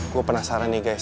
gue penasaran nih guys